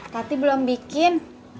tati belum bikin